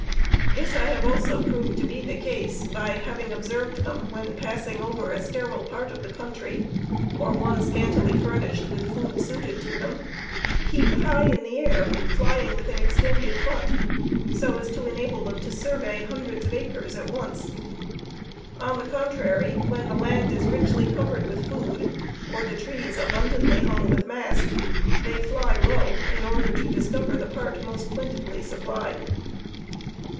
This I have also proved to be the case, by having observed them, when passing over a sterile part of the country, or one scantily furnished with food suited to them, keep high in the air, flying with an extended front, so as to enable them to survey hundreds of acres at once. On the contrary, when the land is richly covered with food, or the trees abundantly hung with mast, they fly low, in order to discover the part most plentifully supplied.